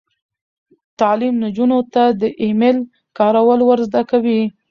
تعلیم نجونو ته د ای میل کارول ور زده کوي.